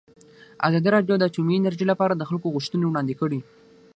ازادي راډیو د اټومي انرژي لپاره د خلکو غوښتنې وړاندې کړي.